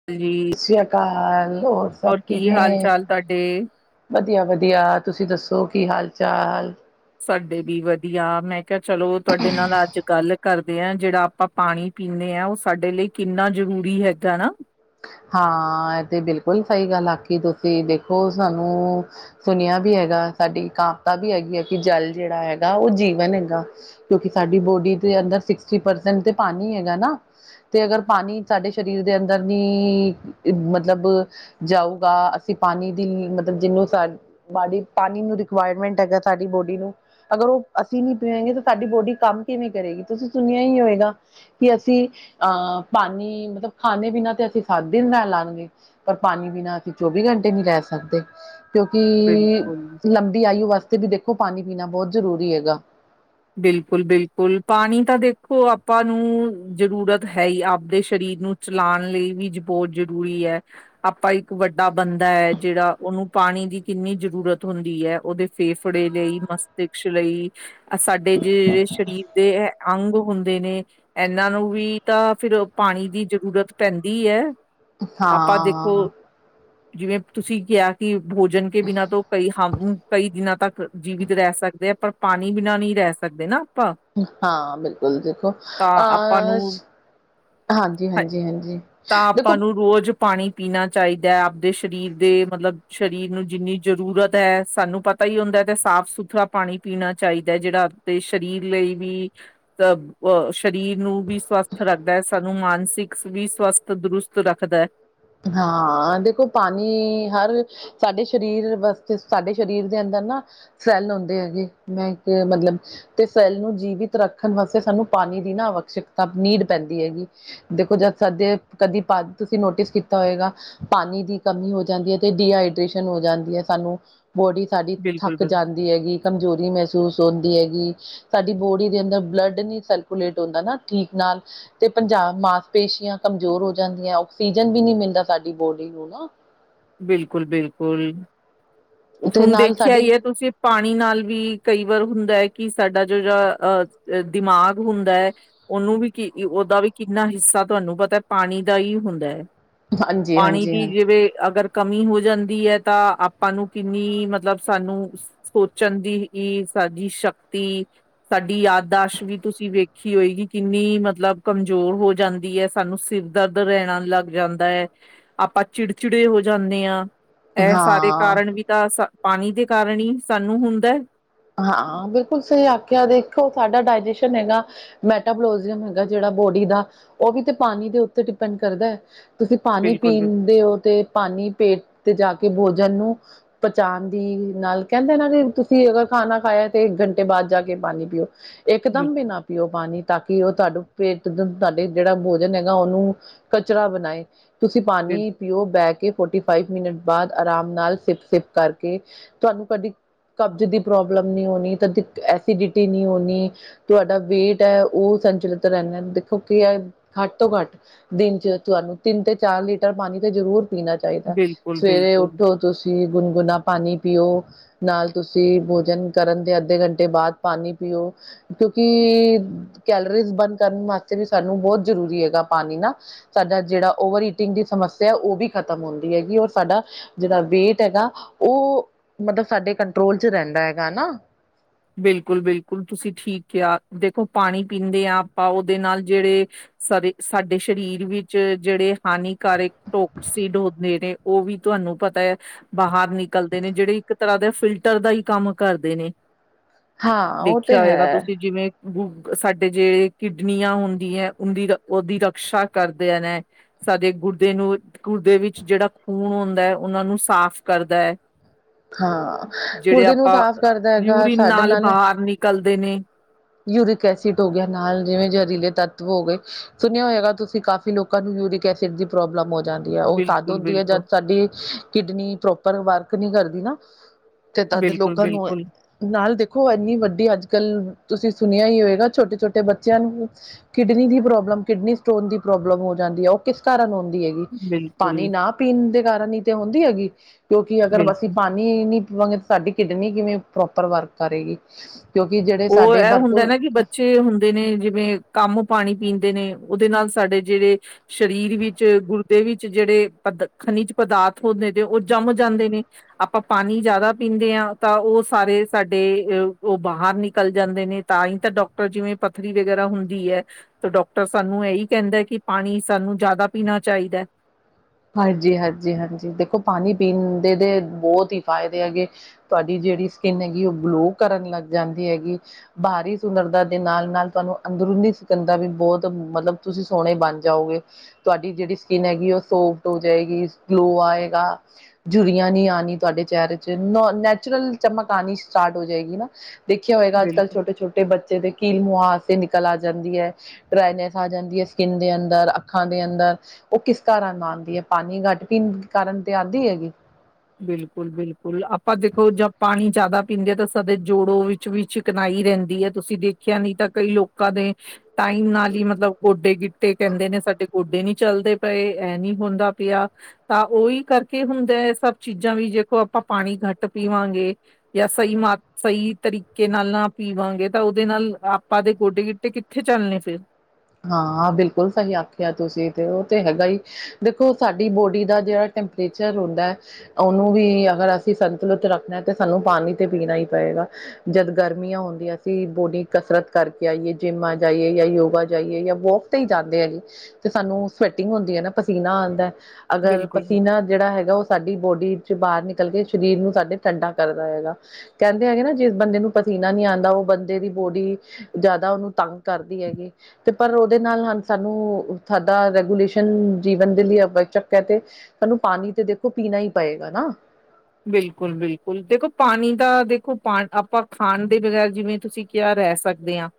[unintelligible] ਸਸ੍ਰੀਆਕਾਲ ਐਰ ਹੋਰ ਕੀ ਹਾਲ ਚਾਲ ਤਾਡੇ? ਵਧੀਆ, ਵਧੀਆ ਤੁਸੀਂ ਦੱਸੋ ਕੀ ਹਾਲ -ਚਾਲ? ਸਾਡੇ ਵੀ ਵਧੀਆ, ਮੈਂ ਕੇਆ ਚਲੋ ਤਾਡੇ ਨਾਲ ਅੱਜ ਗੱਲ ਕਰਦੇ ਆਂ ਜੜਾ ਅਪਾਂ ਪਾਣੀ ਪੀਨੇ ਆਂ, ਓ ਸਾਡੇ ਲਈ ਕਿੰਨਾ ਜਰੂਰੀ ਹੈਗਾ ਨਾ। ਹਾਂ, ਏ ਤੇ ਬਿਲਕੁਲ ਸਹੀ ਗੱਲ ਆਖੀ ਤੁਸੀਂ ਦੇਖੋ ਸਾਨੂੰ ਸੁਣਿਆ ਵੀ ਹੈਗਾ, ਸਾਡੀ ਕਾਵਿਤਾ ਵੀ ਹੈਗੀ ਹੈ, ਕਿ ਜਲ ਜੇੜਾ ਹੈਗਾ ਓ ਜੀਵਨ ਹੈਗਾ। ਕਿਓਂਕਿ, ਸਾਡੀ ਬੋਡੀ ਦੇ ਅੰਦਰ ਸਿਕਸਟੀ ਪਰਸੈਂਟ ਤੇ ਪਾਨੀ ਹੈਗੈ ਨਾ। ਤੇ ਅਗਰ ਪਾਨੀ ਸਾਡੇ ਸ਼ਰੀਰ ਦੇ ਅੰਦਰ ਨੀ ਕੀ ਮਤਲਬ ਜਾਊਗਾ ਅਸੀਂ ਪਾਣੀ ਦੀ ਮਤਲਬ ਜਿਨੂੰ ਸਾ ਸਾਡੀ ਪਾਣੀ ਨੂੰ ਰਿਕੁਆਯਰਮੈਂਟ ਹੈਗਾ ਸਾਡੀ ਬੋਡੀ ਨੂੰ ਅਗਰ ਓ ਅਸੀਂ ਨੀ ਪੀਂਗੇ ਤਾਂ ਸਾਡੀ ਬੋਡੀ ਕੰਮ ਕਿਵੇਂ ਕਰੇਗੀ ਤੁਸੀਂ ਸੁਣਿਆ ਈ ਹੋਏਗਾ। ਕਿ ਅਸੀਂ ਅਹ ਪਾਣੀ ਮਤਲਬ ਖਾਣੇ ਪੀਨਾ ਤੇ ਅਸੀਂ ਸੱਤ ਦਿਨ ਰੈਲਾ ਗੇ ਪਰ ਪਾਣੀ ਬਿਨਾਂ ਅਸੀਂ ਚੌਵੀ ਘੰਟੇ ਨੀ ਰੈ ਸਕਦੇ। ਕਿਉਂਕਿ ਬਿਲਕੁਲ ਲੰਬੀ ਆਯੂ ਵਾਸਤੇ ਵੀ ਦੇਖੋ ਪਾਣੀ ਪੀਣਾ ਬਹੁਤ ਜ਼ਰੂਰੀ ਹੈਗਾ। ਬਿਲਕੁਲ-ਬਿਲਕੁਲ ਪਾਣੀ ਤਾਂ ਦੇਖੋ ਆਪਾਂ ਨੂੰ ਜਰੂਰਤ ਹੈ ਆਪਦੇ ਸਰੀਰ ਨੂੰ ਚਲਾਣ ਲਈ ਵੀ ਬੋਤ ਜ਼ਰੂਰੀ ਐ। ਆਪਾਂ ਇੱਕ ਵੱਡਾ ਬੰਦਾ ਐ ਜੇੜਾ ਉਹਨੂੰ ਪਾਣੀ ਦੀ ਕਿੰਨੀ ਜ਼ਰੂਰਤ ਹੁੰਦੀ ਐ ਉਹਦੇ ਫੇਫੜੇ ਲਈ ਮਸਤਿਸ਼ਕ ਲਈ ਸਾਡੇ ਜੇੜੇ ਸਰੀਰ ਦੇ ਅੰਗ ਹੁੰਦੇ ਨੇ। ਇਹਨਾਂ ਨੂੰ ਵੀ ਤਾਂ ਫਿਰ ਪਾਣੀ ਦੀ ਜ਼ਰੂਰਤ ਪੈਂਦੀ ਐ। ਆਪਾਂ ਦੇਖੋ ਹਾਂ ਜਿਵੇਂ ਤੁਸੀਂ ਕਿਆ ਕਿ ਭੋਜਨ ਕੇ ਬਿਨਾਂ ਤੋਂ ਕਈ ਹਮ ਕਈ ਦਿਨਾਂ ਤੱਕ ਜੀਵਿਤ ਰੈ ਸਕਦੇ ਆ ਪਰ ਪਾਣੀ ਬਿਨਾਂ ਨਈ ਰੈ ਸਕਦੇ ਨਾ ਆਪਾਂ ਹਾਂ ਬਿਲਕੁਲ ਦੇਖੋ ਤਾਂ ਅ ਆਪਾਂ ਨੂੰ ਹਾਂਜੀ-ਹਾਂਜੀ-ਹਾਂਜੀ ਤਾਂ ਆਪਾਂ ਦੇਖੋ। ਨੂੰ ਰੋਜ਼ ਪਾਣੀ ਪੀਣਾ ਚਾਹੀਦਾ ਐ ਆਪਦੇ ਸਰੀਰ ਦੇ ਮਤਲਬ ਸਰੀਰ ਨੂੰ ਜਿੰਨੀ ਜ਼ਰੂਰਤ ਐ ਸਾਨੂੰ ਪਤਾ ਈ ਹੁੰਦਾ ਤੇ ਸਾਫ਼ ਸੁਥਰਾ ਪਾਣੀ ਪੀਣਾ। ਚਾਹੀਦਾ ਜੇੜਾ ਆਪਦੇ ਸਰੀਰ ਲਈ ਵੀ ਅ ਅ ਸਰੀਰ ਨੂੰ ਵੀ ਸਵਸਥ ਰੱਖਦਾ ਹੈ ਸਾਨੂੰ ਮਾਨਸਿਕ ਵੀ ਸਵਸਥ ਦਰੁਸਤ ਰੱਖਦਾ ਹੈ। ਹਾਂ ਦੇਖੋ ਪਾਣੀ ਹਰ ਸਾਡੇ ਸਰੀਰ ਵਾਸਤੇ ਸਾਡੇ ਸਰੀਰ ਦੇ ਅੰਦਰ ਨਾ ਸੈੱਲ ਹੁੰਦੇ ਐ ਜੀ ਮੈਂ ਕਿਆ ਮਤਲਬ ਤੇ ਸੈੱਲ ਨੂੰ ਜੀਵਿਤ ਰੱਖਣ ਵਾਸਤੇ ਸਾਨੂੰ ਪਾਣੀ ਦੀ ਨਾ ਆਵਸ਼ਕਤਾ ਨੀਡ ਪੈਂਦੀ ਜੀ। ਦੇਖੋ ਜਦ ਸਾਦੇ ਕਦੀ ਪਾ ਤੁਸੀਂ ਨੋਟਿਸ ਕੀ ਤਾ ਹੋਏਗਾ ਪਾਣੀ ਦੀ ਕਮੀ ਹੋ ਜਾਂਦੀ ਐ ਤੇ ਡੀਹਾਈਡ੍ਰੇਸ਼ਨ ਹੋ ਜਾਂਦੀ ਏ ਸਾਨੂੰ ਬੋਡੀ ਸਾਡੀ ਬਿਲਕੁਲ ਥੱਕ ਬਿਲਕੁਲ ਜਾਂਦੀ ਹੈਗੀ ਕਮਜ਼ੋਰੀ ਮਹਿਸੂਸ ਹੁੰਦੀ ਹੈਗੀ। ਸਾਡੀ ਬੋਡੀ ਦੇ ਅੰਦਰ ਬਲੱਡ ਨਈ ਸਰਕੂਲੇਟ ਹੁੰਦਾ ਨਾ ਠੀਕ ਨਾਲ ਤੇ ਪੰਜਾਬ ਮਾਸਪੇਸ਼ੀਆਂ ਕਮਜ਼ੋਰ ਹੋ ਜਾਂਦੀਆਂ ਆਕਸੀਜਨ ਵੀ ਨਈ ਮਿਲਦਾ ਸਾਡੀ ਬੋਡੀ ਨੂੰ ਨਾ। ਬਿਲਕੁਲ-ਬਿਲਕੁਲ ਤੇ ਹੁਣ ਨਾਲ ਦੇਖਿਆ ਸਾਡੀ ਈ ਐ ਤੁਸੀਂ ਪਾਣੀ ਨਾਲ ਵੀ ਕਈ ਵਾਰ ਹੁੰਦਾ ਐ ਕਿ ਸਾਡਾ ਜੋ ਜਾ ਅਹ ਦਿਮਾਗ ਹੁੰਦੈ। ਉਹਨੂੰ ਵੀ ਕੀ-ਕੀ ਉਹਦਾ ਵੀ ਕਿੰਨਾ ਹਿੱਸਾ ਤੁਹਾਨੂੰ ਪਤਾ ਪਾਣੀ ਦਾ ਹੀ ਹੁੰਦੈ। ਹਾਂਜੀ ਪਾਣੀ ਹਾਂਜੀ ਦੀ ਹਾਂ ਜਿਵੇਂ ਅਗਰ ਕਮੀ ਹੋ ਜਾਂਦੀ ਐ ਤਾਂ ਆਪਾਂ ਨੂੰ ਕਿੰਨੀ ਮਤਲਬ ਸਾਨੂੰ ਸੋਚਣ ਦੀ ਈ ਸਾਡੀ ਸ਼ਕਤੀ ਸਾਡੀ ਯਾਦਦਾਸ਼ਤ ਵੀ ਤੁਸੀਂ ਵੇਖੀ ਹੋਏਗੀ ਕਿੰਨੀ ਮਤਲਬ ਕਮਜ਼ੋਰ ਹੋ ਜਾਂਦੀ ਐ ਸਾਨੂੰ ਸ ਦਰਦ ਰੈਣਾਂ ਲੱਗ ਜਾਂਦਾ ਹੈ ਆਪਾਂ ਚਿੜਚਿੜੇ ਹੋ ਜਾਂਣੇ ਆਂ ਇਹ ਸਾਰੇ ਹਾਂ ਕਾਰਨ ਵੀ ਤਾਂ ਪਾਣੀ ਦੇ ਕਾਰਨ ਈ ਸਾਨੂੰ ਹੁੰਦਾ। ਹਾਂ ਬਿਲਕੁਲ ਸਈ ਆਖਿਆ ਦੇਖੋ ਸਾਡਾ ਡਾਇਜੈਸ਼ਨ ਹੈਗਾ। ਮੈਟਾਬੋਲੋਜ਼ਮ ਹੁੰਦਾ ਜੇੜਾ ਬੋਡੀ ਦਾ ਓ ਵੀ ਤੇ ਪਾਣੀ ਦੇ ਉੱਤੇ ਡਿਪੈਂਡ ਕਰਦਾ। ਤੁਸੀਂ ਪਾਣੀ ਬਿਲਕੁਲ ਬਿਲ ਪੀਂਦੇ ਹੋ ਤੇ ਪਾਣੀ ਪੇਟ ਤੇ ਜਾ ਕੇ ਭੋਜਨ ਨੂੰ ਪਚਾਣ ਦੀ ਨਾਲ ਕੈਂਦੇ ਇਹਨਾਂ ਦੇ ਤੁਸੀਂ ਅਗਰ ਖਾਣਾ ਖਾਇਆ ਤੇ ਇੱਕ ਘੰਟੇ ਬਾਦ ਜਾ ਕੇ ਪਾਣੀ ਪੀਓ ਬਿਲ ਇੱਕਦਮ ਬਿਨਾਂ ਪੀਓ ਪਾਣੀ ਤਾਂ ਕਿ ਓ ਤੁਹਾਡ ਪੇਟ ਤੁਹਾਡੇ ਜੇੜਾ ਭੋਜਨ ਹੈਗਾ ਉਹਨੂੰ ਕਚਰਾ ਬਣਾਏ ਤੁਸੀਂ ਬਿਲ ਪਾਨੀ ਪੀਓ ਬੈ ਕੇ। ਫੋਟੀ ਫਾਈਵ ਮਿੰਨਟ ਬਾਅਦ ਆਰਾਮ ਨਾਲ ਸਿਪ ਸਿਪ ਕਰਕੇ ਤੁਹਾਨੂੰ ਕਦੀ ਕਬਜ਼ ਦੀ। ਪ੍ਰੋਬਲਮ ਨਹੀਂ ਹੋਣੀਤਦ ਐਸਿਡਿਟੀ ਨਹੀਂ ਹੋਣੀ। ਤੁਵਾਡਾ ਵੇਟ ਹੈ ਉਹ ਸੰਚਲਿਤ ਰਹਿੰਦਾ ਦੇਖੋ ਕੀ ਹੈ ਘੱਟ ਤੋਂ ਘੱਟ। ਦਿਨ ਚ ਤੁਹਾਨੂੰ ਤਿੰਨ ਤੇ ਚਾਰ ਲੀਟਰ ਪਾਨੀ ਤੇ ਜ਼ਰੂਰ ਪੀਨਾ ਚਾਹੀਦਾ ਬਿਲਕੁਲ ਸਵੇਰੇ ਬਿਲਕੁਲ ਉੱਠੋ। ਤੁਸੀਂ ਗੁਨਗੁਨਾ ਪਾਣੀ ਪੀਓ ਨਾਲ ਤੁਸੀਂ। ਭੋਜਨ ਕਰਨ ਦੇ ਅੱਧੇ ਘੰਟੇ ਬਾਅਦ ਪਾਨੀ ਪੀਓ। ਕਿਉਂਕਿ ਕੈਲੋਰੀਜ਼ ਬੰਦ ਕਰਨ ਵਾਸਤੇ ਵੀ ਸਾਨੂੰ ਬਹੁਤ ਜ਼ਰੂਰੀ ਹੈਗਾ ਪਾਨੀ ਨਾ। ਸਾਡਾ ਜਿਹੜਾ ਓਵਰ ਈਟਿੰਗ ਦੀ ਸਮੱਸਿਆ ਉਹ ਵੀ ਖ਼ਤਮ ਹੁੰਦੀ ਹੈਗੀ ਔਰ ਸਾਡਾ। ਜੇਹੜਾ ਵੇਟ ਹੈਗਾ ਉਹ ਮਤਲਬ ਸਾਡੇ ਕੰਟਰੋਲ ਚ ਰਹਿੰਦਾ ਹੈਗਾ ਨਾ। ਬਿਲਕੁਲ‌, ਬਿਲਕੁਲ ਤੁਸੀਂ ਠੀਕ ਕੇਆ ਦੇਖੋ ਪਾਨੀ ਪੀਂਦੇ ਆ ਆਪਾ ਓਦੇ ਨਾਲ ਜੇੜੇ। ਸ-ਸਾਡੇ ਸ਼ਰੀਰ ਵੀਚ ਜੇੜੇ ਹਾਨੀਕਾਰਕ ਟੋਕਸੀਡ ਹੁੰਦੇ ਨੇ। ਓਵੀ ਤੁਆਨੂ ਪਤਾ ਐ ਬਾਹਰ ਨਿਕਲਦੇ ਨੇ ਜੇੜੇ ਈਕ ਤਰਾ ਦੇ ਫਿਲਟਰ ਦਾ ਹੀ ਕੰਮ ਕਰਦੇ ਨੇ। ਹਾਂ ਉਹ ਤੇ ਦੇਖੇਆ ਹੋਏਗਾ ਹੈ। ਤੁਸੀ ਜਿਵੇਂ। ਉਹ ਸਾਡੇ ਜੇ ਕੀਡਨੀਆਂ ਹੁੰਦੀ ਐ ਓਨਦੀ, ਓਦੀ ਰਕਸ਼ਾ ਕਰਦੇ ਨੈ। ਸਾਡੇ ਗੁਰਦੇ ਨੂੰ ਗੁੁਰਦੇ ਵਿੱਚ ਜਿਹੜਾ ਖੂਨ ਹੁੰਦਾ ਹੈ। ਓਨਾਂ ਨੂੰ ਸਾਫ ਕਰਦੈ। ਹਾਂ ਗੁਰਦੇ ਨੂੰ ਸਾਫ ਕਰਦੈ ਹੈਗਾ ਸਾਡੇ ਨਾਲ। ਹਾਰ ਨੀਕਲਦੇ ਨੇ। ਯੂਰਿਕ ਏਸੀਡ ਹੋ ਗਿਆ ਨਾਲ ਜਿਵੇਂ ਜ਼ਹਰੀਲੇ ਤੱਤਵ ਹੋ ਗਏ। ਸੁਣੇਆ ਹੋਏਗਾ ਤੁਸੀ ਕਾਫੀ ਲੋਕਾ ਨੂੰ ਯੂਰਿਕ ਐਸੀਡ ਦੀ ਪ੍ਰੋਬਲਮ ਹੋ। ਜਾਦੀਂ ਹੈ ਓਹ ਤਾਦ ਬਿਲਕੁਲ, ਹੁੰਦੀ ਹੈ ਜਦ ਬਿਲਕੁਲ, ਸਾਡੀ ਕੀਡਨੀ ਪ੍ਰੋਪਰ ਵਰਕ ਨੀ ਕਰਦੀ ਨਾ। ਤੇ ਤਦ ਬਿਲਕੁਲ, ਲੋਕਾ ਨੂੰ ਬਿਲਕੁਲ, ਨਾਲ, ਦੇਖੋ ਏਨੀ ਵੱਡੀ ਅੱਜ- ਕੱਲ। ਤੁਸੀ ਸੁਣੇਆ ਹੀ ਹੋਏਗਾ ਛੋਟੇ-ਛੋਟੇ ਬਚੇਆ ਨੂੰ। ਕੀਡਨੀ ਦੀ ਪ੍ਰੋਬਲਮ ਕੀਡਨੀ ਸਟੋਨ ਦੀ ਪ੍ਰੋਬਲਮ ਹੋ ਜਾਂਦੀ ਏ। ਓ ਕੀਸ ਕਾਰਨ ਹੁੰਦੀ ਏ। ਪਾਨੀ ਬਿਲਕੁਲ, ਨਾ ਪੀਨ ਦੇ ਕਾਰਨ ਹੀ ਤੇ ਹੁੰਦੀ ਹੈਗੀ ਕਿਓਕੀ ਅਗਰ ਵਸੀ ਬਿਲਕੁਲ। ਪਾ ਨੀ ਨੀ ਪੀਵਾਗੇ ਸਾਡੀ ਕੀਡਨੀ ਕਿਵੇਂ ਪ੍ਰੋਪਰ ਵਰਕ ਕਰੇਗੀ? ਕਿਉਂਕਿ ਜਦ। ਓ ਐ ਹੁੰਦੈ ਨਾ ਕੀ। ਚੇ ਹੁੰਦੇ ਨੇ ਜਿਵੇਂ, ਕਾਮ ਪਾਨੀ ਪੀਂਦੇ ਨੇ ਓਦੇ ਨਾਲ ਸਾਡੇ ਜੇੜੇ। ਸ਼ਰੀਰ ਵੀਚ, ਗੁਰਦੇ ਵੀਚ ਜੇੜੇ ਪਦ ਖਨੀਜ ਪਦਾਰਥ ਹੁੰਦੇ ਨੇ ਓ ਜਮ ਜਾਂਦੇ ਨੇ। ਆਪਾ ਪਾਨੀ ਜਯਾਦਾ ਪੀਂਦੇ ਹਾਂ, ਤਾ ਓ ਸਾਰੇ ਸਾਡੇ ਅ ਓ ਬਾਹਰ ਨੀ ਕਲ ਜਾਂਦੇ ਨੇ ਤਾਂ ਹੀ ਤੇ ਡੋਕਟਰ ਜਿਵੇਂ ਪੱਥਰੀ ਵਗੈਰਾ ਹੁੰਦੀ ਹੈ। ਤੇ ਡੋਕਟਰ ਸਾਨੂੰ ਏਹੀ ਕਹਿੰਦਾ, ਕੀ ਪਾਨੀ ਸਾਨੂੰ ਜਾਦਾ ਪੀਨਾ ਚਾਹੀਦੈ। ਹਾਂਜੀ, ਹਾਂਜੀ, ਹਾਂਜੀ। ਦੇਖੋ, ਪਾਨੀ ਪੀਨ ਦੇ ਦੇ ਬੋਤ ਹੀ ਫਾਇਦੇ ਹੈਗੇ। ਤੁਹਾਡੀ ਜੇੜੀ ਸਕੀਨ ਹੈਗੀ, ਓ ਗਲੋ ਕਰਨ ਲੱਗ ਜਾਂਦੀ ਹੈਗੀ। ਬਾਹਰੀ ਸੁੰਦਰਦਾ ਦੇ ਨਾਲ- ਨਾਲ, ਤੁਹਾਨੂੰ ਅੰਦਰੂਨੀ ਸੁਦੰਰਤਾ ਵੀ ਬੋਤ ਮਤਲਬ ਤੁਸੀਂ ਸੋਣੇ ਬਨ ਜਾਓਗੇ। ਤੁਆਡੀ ਜੇੜੀ ਸਕੀਨ ਹੈਗੀ, ਓ ਸੋਫਟ ਹੋ ਜਾਏਗੀ, ਗਲੋ ਆਏਗਾ। ਝੂਰੀਆਂ ਨਹੀ ਆਨੀ, ਤੁਹਾਡੇ ਚਿਹਰੇ ਚ ਨੈਚੁਰਲ ਚਮਕ ਆਨੀ ਸਟਾਟ ਹੋ ਜਾਏਗੀ ਨਾ। ਦੇਖੇਆ ਹੋਏਗਾ, ਅੱਜ- ਕੱਲ, ਬਿਲਕੁਲ। ਛੋਟੇ -ਛੋਟੇ ਬੱਚੇ ਦੇ ਕੀਲ ਮੁੂਂਹਾਸੇ ਨੀਕਲ ਆ ਜਾਦੀਂ ਐ। ਡਰਾਏਨੈਸ ਆ ਜਾਦੀਂ ਏ। ਸਕੀਨ ਦੇ ਅੰਦਰ, ਅੱਖਾ ਦੇ ਅੰਦਰ ਓ ਕੀਸ ਕਾਰਨ ਆ ਪਾਣੀ ਘੱਟ ਪੀਣ ਕਾਰਨ ਤੇ ਆਂਦੀ ਹੈਗੀ। ਬਿਲਕੁਲ, ਬਿਲਕੁਲ ਆਪਾਂ ਦੇਖੋ ਜਬ ਪਾਨੀ ਜਾਦਾ ਪੀਦੇਂ ਹਾ ਤਾਂ ਸਦੇ ਜੋੜੋ ਵੀ ਵੀਚ ਚੀਕਨਾਈ ਰਹਿੰਦੀ ਹੈ। ਤੁਸੀ ਦੇਖੇਆ ਨਹੀ ਤਾਂ ਕਈ ਲੋਕਾ ਦੇ ਟਾਈਮ ਨਾਲ ਹੀ ਮਤਲਬ ਗੋਡੇ ਗੀਟੇ ਕਹਿੰਦੇ ਨੇ ਸਾਡੇ। ਗੋਡੇ ਨੀ ਚੱਲਦੇ ਪਏ, ਏ ਨੀ ਹੁੰਦਾ ਪੇਆ, ਤਾ ਓਹੀ ਕਰਕੇ ਹੁੰਦਾ ਐ ਸਭ। ਚੀਜਾਂ ਵੀ ਜੇਖੋ ਆਪਾ ਪਾਨੀ ਘਟ ਪੀਵਾਂਗੇ। ਯਾ ਸਈ ਮਾ, ਸਈ ਤਰੀਕੇ ਨਾਲ ਨਾ ਪੀਵਾਂਗੇ, ਤਾਂ ਓਦੇ ਨਾਲ ਆਪਾਂ ਦੇ ਗੋਡੇ-ਗਿੱਟੇ ਕਿੱਥੇ ਚੱਲਣੇ ਫਿਰ। ਹਾਂ, ਬਿਲਕੁਲ ਸਹੀ ਆਖਿਐ ਤੁਸੀ ਤੇ ਓ ਤੇ ਹੈਗਾ ਈ ਦੇਖੋ, ਸਾਡੀ ਬੋਡੀ ਦਾ ਜੜਾ ਟੈਂਪਰੇਚਰ ਹੁੰਦੈ ਅਵਨੂੰ ਵੀ ਅਗਰ ਅਸੀ ਸੰਤੁਲਿਤ ਰੱਖਨੈ ਤੇ ਸਾਨੂੰ ਪਾਨੀ ਤੇ ਪੀਨਾ ਈ ਪਏਗਾ। ਜਦ ਗਰਮੀਆਂ ਹੁੰਦੀਆਂ ਸੀਂ, ਬੋਡੀ ਕਸਰਤ ਕਰਕੇ ਆਈਏ, ਜਿੰਮ ਆ ਜਾਈਏ ਯਾਂ ਯੋਗਾ ਜਾਈਏ ਯਾਂ ਵੋਕ ਤੇ ਈ ਜਾਂਦੇ ਐਂ ਜੀ ਤੇ ਸਾਨੂੰ ਸਵੈਟਿੰਗ ਹੁੰਦੀ ਏ ਨਾ, ਪਸੀਨਾ ਆਂਦੈ ਅਗਰ ਬਿਲਕੁਲ ਪਸੀਨਾ ਜੜਾ ਹੈਗਾ, ਓ ਸਾਡੀ ਬੋਡੀ ਇੱਚ ਬਾਹਰ ਨਿਕਲ ਕੇ ਸ਼ਰੀਰ ਨੂੰ ਸਾਡੇ ਠੰਡਾ ਕਰਦਾ ਹੈਗਾ। ਕੈਂਦੇ ਹੈਗੇ ਨਾ, ਜਿਸ ਬੰਦੇ ਨੂੰ ਪਸੀਨਾ ਨੀ ਆਂਦਾ, ਓ ਬੰਦੇ ਦੀ ਬੋਡੀ ਜਾਦਾ ਓਨੂੰ ਤੰਗ ਕਰਦੀ ਹੈਗੀ। ਤੇ ਪਰ ਓਦੇ ਨਾਲ ਹਨ, ਸਾਨੂੰ ਸਾਡਾ ਰੈਗੂਲੇਸ਼ਨ ਜੀਵਨ ਦੇ ਲਈ ਆਵਾਚਕ ਐ ਤੇ ਸਾਨੂੰ ਪਾਨੀ ਤੇ ਦੇਖੋ, ਪੀਨਾ ਈ ਪਏਗਾ ਨਾ। ਬਿਲਕੁਲ-ਬਿਲਕੁਲ, ਦੇਖੋ ਪਾਨੀ ਦਾ ਦੇਖੋ, ਪਾ ਆਪਾਂ ਖਾਣ ਦੇ ਬਜਾਏ ਜਿਵੇਂ ਤੁਸੀ ਕਿਆ ਰੈ ਸਕਦੇ ਆਂ,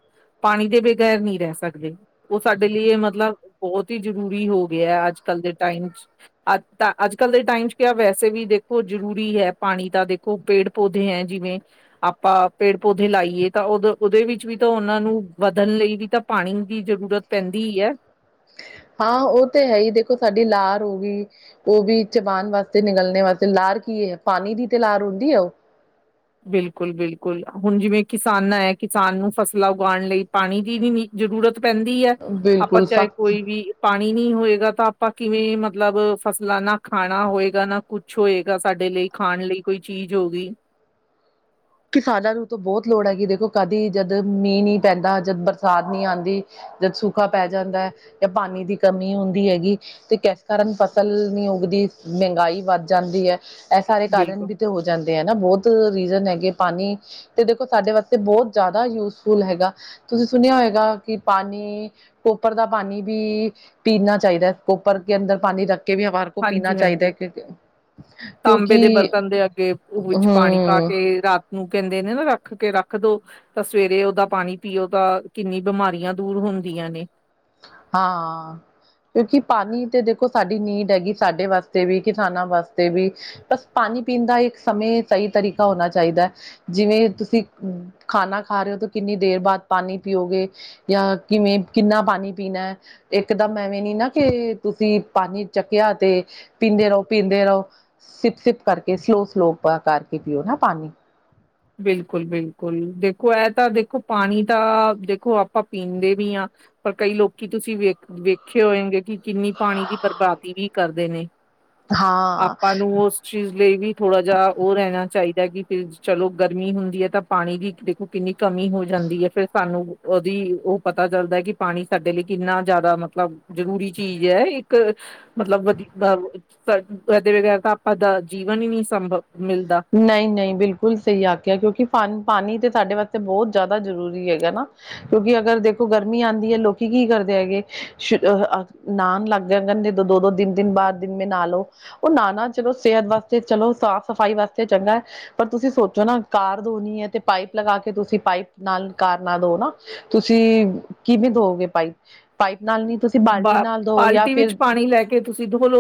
ਪਾਨੀ ਦੇ ਬਗੈਰ ਨੀ ਰੈ ਸਕਦੇ। ਓ ਸਾਡੇ ਲਈ ਏ ਮਤਲਬ ਬੋਹੋਤ ਈ ਜ਼ਰੂਰੀ ਹੋ ਗਿਐ ਅੱਜ-ਕੱਲ ਦੇ ਟਾਈਮ 'ਚ। ਅੱਜ ਤਾਂ ਅੱਜ-ਕੱਲ ਦੇ ਟਾਈਮ 'ਚ ਕਯਾ ਵੈਸੇ ਵੀ ਦੇਖੋ ਜਰੂਰੀ ਹੈ ਪਾਨੀ ਤਾਂ ਦੇਖੋ ਪੇੜ ਪੌਦੇ ਹੈਂ ਜਿਵੇਂ ਆਪਾਂ ਪੇੜ ਪੌਦੇੇ ਲਾਈਏ ਤਾਂ ਓਦ ਓਦੇ ਵਿੱਚ ਵੀ ਤਾਂ ਓਨਾਂ ਨੂੰ ਵਧਨ ਲਈ ਵੀ ਤਾਂ ਪਾਨੀ ਦੀ ਜ਼ਰੂਰਤ ਪੈਂਦੀ ਈ ਐ। ਹਾਂ ਓ ਤੇ ਹੈ ਈ ਦੇਖੋ ਸਾਡੀ ਲਾਰ ਹੋ ਗੀ ਏਦੀ ਚਬਾਨ ਵਾਸਤੇ ਨਿਗਲਨੇ ਵਾਸਤੇ ਲਾਰ ਕੀ ਏ, ਪਾਨੀ ਦੀ ਤੇ ਲਾਰ ਹੁੰਦੀ ਏ ਓ। ਬਿਲਕੁਲ-ਬਿਲਕੁਲ, ਹੁਨ ਜਿਵੇਂ ਕਿਸਾਨਾਂ ਐ, ਕਿਸਾਨ ਨੂੰ ਫਸਲਾਂ ਉਗਾਣ ਲਈ ਪਾਨੀ ਦੀ ਵੀ ਨੀ ਜਰੂਰਤ ਪੈਂਦੀ ਐ, ਆਪਾਂ ਬਿਲਕੁਲ ਚਾਏ ਸਖ਼ਤ ਕੋਈ ਵੀ ਪਾਣੀ ਨੀ ਹੋਏਗਾ ਤਾਂ ਆਪਾਂ ਕਿਵੇਂ ਮਤਲਬ ਫਸਲਾਂ ਨਾ ਖਾਣਾ ਹੋਏਗਾ, ਨਾ ਕੁਛ ਹੋਏਗਾ, ਸਾਡੇ ਲਈ ਖਾਣ ਲਈ ਕੋਈ ਚੀਜ ਹੋ ਗਈ ਕਿਸਾਨਾਂ ਨੂੰ ਤਾਂ ਬੋਤ ਲੋੜ ਹੈਗੀ ਏ ਦੇਖੋ ਕਾਦੀ ਜਦ ਮੀਂਅ ਨੀ ਪੈਂਦਾ, ਜਦ ਬਰਸਾਤ ਨੀ ਆਂਦੀ ਜਦ ਸੂਖਾ ਪੈ ਜਾਂਦੈ ਯਾਂ ਪਾਨੀ ਦੀ ਕਮੀ ਹੁੰਦੀ ਹੈਗੀ ਤੇ ਕੈੱਸ ਕਾਰਨ ਫਸਲ ਨੀ ਉਗਦੀ, ਮਹਿੰਗਾਈ ਵੱਧ ਜਾਂਦੀ ਐ ਐ ਸਾਰੇ ਕਾਰਨ ਬਿਲਕੁਲ ਵੀ ਤੇ ਹੋ ਜਾਂਦੇ ਐ ਨਾ ਬੋਹੋਤ ਰੀਜ਼ਨ ਹੈਗੇ ਪਾਨੀ ਤੇ ਦੇਖੋ ਸਾਡੇ ਵਾਸਤੇ ਬੋਹੋਤ ਜਾਦਾ ਯੂਜ਼ਫੁਲ ਹੈਗਾ। ਤੁਸੀ ਸੁਨਿਆ ਹੋਏਗਾ ਕਿ ਪਾਨੀ ਕੋਪਰ ਦਾ ਪਾਨੀ ਭੀ ਪੀਨਾ ਚਾਈਦਾ। ਕੋਪਰ ਕੇ ਅੰਦਰ ਪਾਨੀ ਰੱਖ ਕੇ ਭੀ ਹਮਾਰੇ ਕੋ ਪੀਨਾ ਹਾਂਜੀ, ਚਾਈਦੈ ਹਾਂਜੀ ਕਿਉਂਕ ਤਾਂਬੇ ਦੇ ਬਰਤਨ ਦੇ ਅੱਗੇ, ਉ ਵਿੱਚ ਪਾਨੀ ਪਾ ਹਮ ਕੇ ਰਾਤ ਨੂੰ ਕੈਂਦੇ ਨੇ ਨਾ ਰੱਖ ਕੇ ਰੱਖ ਦੋ ਤਾ ਸਵੇਰੇ ਓਦਾ ਪਾਨੀ ਪੀਓ ਤਾਂ ਕਿੰਨੀ ਬਿਮਾਰੀਆਂ ਦੂਰ ਹੁੰਦੀਆਂ ਨੇ। ਹਾਂ, ਕਿਉਂਕਿ ਪਾਨੀ ਤੇ ਦੇਖੋ ਸਾਡੀ ਨੀਡ ਹੈਗੀ, ਸਾਡੇ ਵਾਸਤੇ ਵੀ ਕਿਸਾਨਾਂ ਵਾਸ ਤੇ ਵੀ ਬਸ ਪਾਨੀ ਪੀਨ ਦਾ ਇੱਕ ਸਮੇਂ ਸਈ ਤਰੀਕਾ ਹੋਨਾ ਚਾਈਦੈ। ਜਿਵੇਂ ਤੁਸੀ ਖਾਨਾ ਖਾ ਰੇ ਓ ਤਾਂ ਕਿੰਨੀ ਦੇਰ ਬਾਦ ਪਾਨੀ ਪੀਓਗੇ ਯਾਂ ਕਿਵੇਂ, ਕਿੰਨਾ ਪਾਨੀ ਪੀਨੈ। ਏੱਕਦਮ ਐਵੇਂ ਨੀ ਨਾ ਕੇ ਤੁਸੀ ਪਾਨੀ ਚੱਕਿਆ ਤੇ ਪੀਂਦੇ ਰਓ, ਪੀਂਦੇ ਰਓ। ਸਿਪ-ਸਿਪ, ਕਰਕੇ ਸਲੋ-ਸਲੋ ਕਾ ਕਰਕੇ ਪੀਓ ਨਾ ਪਾਨੀ। ਬਿਲਕੁਲ-ਬਿਲਕੁਲ। ਦੇਖੋ ਐ ਤਾਂ ਦੇਖੋ ਪਾਨੀ ਤਾਂ ਦੇਖੋ ਆਪਾਂ ਪੀਂਦੇ ਵੀ ਆਂ ਪਰ ਕਈ ਲੋਕੀ ਤੁਸੀ ਵੇਖ, ਵੇਖੇ ਹੋਏਂਗੇ ਕਿ ਕਿੰਨੀ ਪਾਨੀ ਦੀ ਬਰਬਾਦੀ ਵੀ ਕਰਦੇ ਨੇ। ਹਾਂ ਆਪਾਂ ਨੂੰ ਉਸ ਚੀਜ਼ ਲਈ ਵੀ ਥੋੜਾ ਜੇਹਾ ਓ ਰੈਣਾ ਚਾਇਦਾ ਕਿ ਕਿਲਤ ਚ ਚਲੋ ਗਰਮੀ ਹੁੰਦੀ ਐ ਤਾਂ ਪਾਨੀ ਦੀ ਦੇਖੋ, ਕਿੰਨੀ ਕਮੀ ਹੋ ਜਾਂਦੀ ਐ ਫੇਰ ਸਾਨੂੰ ਓਦੀ ਓ ਪਤਾ ਚੱਲਦਾ, ਕਿ ਪਾਣੀ ਸਾਡੇ ਲਈ ਕਿੰਨਾ ਜ਼ਿਆਦਾ ਮਤਲਬ ਜਰੂਰੀ ਚੀਜ਼ ਐ ਇੱਕ ਮਤਲਬ ਵਧੀ [unintelligible] ਆਪਾਂ ਦਾ ਜੀਵਨ ਈ ਨੀ ਸੰਭਵ ਮਿਲਦਾ। ਨਈ-ਨਈ ਬਿਲਕੁਲ ਸਹੀ ਆਖਿਆ, ਕਿਉਂਕਿ ਪਾਨੀ, ਪਾਨੀ ਤੇ ਸਾਡੇ ਵਾਸਤੇ ਬੋਤ ਜਾਦਾ ਜ਼ਰੂਰੀ ਹੈਗਾ ਨਾ। ਕਿਉਂਕਿ ਅਗਰ ਦੇਖੋ ਗਰਮੀ ਆਂਦੀ ਐ, ਲੋਕੀ ਕੀ ਕਰਦੇ ਹੈਗੇ ਸ਼ ਅਹ ਨਾਨ ਲੱਗ ਜੰਗਨ ਨੇ ਦੋ-ਦੋ, ਤਿੰਨ-ਤਿੰਨ ਬਾਰ ਦਿਨ ਮੇ ਨਾ ਲੋ। ਓ ਨਾਣਾ ਚਲੋ ਸੇਹਤ ਵਾਸਤੇ ਚਲੋ ਸਾਫ਼-ਸਫ਼ਾਈ ਵਾਸਤੇ ਚੰਗਾ ਪਰ ਤੁਸੀਂ ਸੋਚੋ, ਨਾ ਕਾਰ ਧੋਣੀ ਐ ਤੇ ਪਾਈਪ ਲਗਾ ਕੇ ਤੁਸੀਂ ਪਾਈਪ ਨਾਲ ਕਾਰ ਨਾ ਲੋ ਨਾ। ਤੁਸੀਂ ਕਿਬੀ ਧੋਗੇ ਪਾਈਪ-ਪਾਈਪ ਨਾਲ ਨੀ ਤੁਂ ਬਾ ਬਾਲਟੀ ਵਿੱਚ ਪਾਨੀ ਲੈ ਕੇ, ਤੁਸੀਂ ਧੋ ਲੋ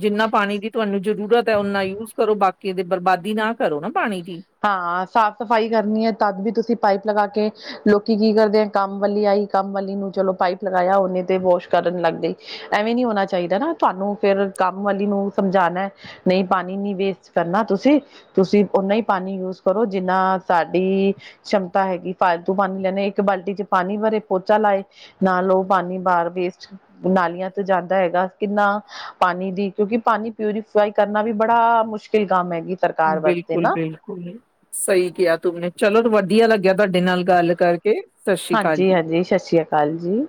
ਜਿੰਨਾ ਪਾਨੀ ਦੀ ਤੁਆਨੂੰ ਜ਼ਰੂਰਤ ਤੇ ਓਨਾ ਯੂਜ ਕਰੋ, ਬਾਕੀ ਦੀ ਬਰਬਾਦੀ ਨਾ ਕਰੋ ਨਾ ਪਾਣੀ ਦੀ। ਹਾਂ ਸਾਫ਼-ਸਫ਼ਾਈ ਕਰਨੀ ਏ, ਤਦ ਵੀ ਤੁਸੀਂ ਪਾਈਪ ਲਗਾ ਕੇ ਲੋਕੀ ਕੀ ਕਰਦੇ ਅਨ ਕੰਮ ਵਾਲੀ ਆਈ ਕੰਮ ਵਾਲੀ ਨੂੰ ਚਲੋ, ਪਾਈਪ ਲਗਾਇਆ ਓਨੇ ਤੇ ਵੋਸ਼ ਕਰਨ ਲੱਗ ਗਈ‌। ਐਵੇਂ ਨੀ ਹੋਨਾ ਚਾਇਦਾ ਨਾ ਤੁਆਨੂੰ, ਫਿਰ ਕੰਮ ਵਾਲੀ ਨੂੰ ਸਮਝਾਣਾ ਨਈ ਪਾਨੀ ਨੀ ਵੇਸਟ ਕਰਨਾ ਤੁਸੀਂ, ਤੁਸੀਂ ਓਨਾ ਈ ਪਾਨੀ ਯੂਜ ਕਰੋ ਜਿੰਨਾ ਸਾਡੀ ਸ਼ਮਤਾ ਹੈਗੀ ਪਾਲਤੂ ਪਾਨੀ ਲੈਂਵੇ, ਇੱਕ ਬਾਲਟੀ ਚ ਪਾਨੀ ਭਰੇ ਪੋਚਾ ਲਾਏ। ਨਾਲ ਓ ਪਾਨੀ ਬਾਰ ਵੇਸਟ, ਨਾਲੀਆਂ ਤੇ ਜਾਂਦਾ ਹੈਗਾ ਕਿੰਨਾ ਪਾਨੀ ਦੀ ਕਿਉਂਕਿ, ਪਾਨੀ ਪਿਊਰੀਫਾਈ ਕਰਨਾ ਵੀ ਬੜਾ ਮੁਸ਼ਕਿਲ ਕੰਮ ਹੈਗੀ। ਸਰਕਾਰ ਵਾਸਤੇ ਨਾ ਬਿਲਕੁਲ-ਬਿਲਕੁਲ ਸਈ ਕੇਆ ਤੂੰਮ ਨੇ ਚਲੋ ਵਧੀਆ ਲੱਗਿਆ ਤੁਆਡੇ ਨਾਲ ਗੱਲ ਕਰ ਹਾਂਜੀ-ਹਾਂਜੀ ਸ਼ਸ਼ ਸ਼੍ਰੀਆ ਕਾਲ ਜੀ।